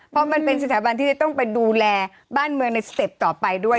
เพราะมันเป็นสถาบันที่จะต้องไปดูแลบ้านเมืองในสเต็ปต่อไปด้วย